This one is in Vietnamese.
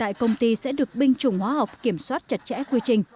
tinh thần của công ty sẽ được bình trùng hóa học kiểm soát chặt chẽ quy trình